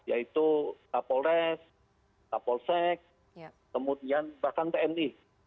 yaitu kapolres kapolsek kemudian bahkan tni